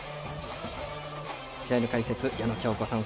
試合の解説は矢野喬子さん